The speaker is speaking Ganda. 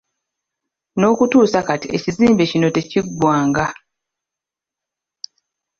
N'okutuusa kati ekizimbe kino tekiggwanga!